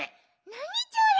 なにちょれ？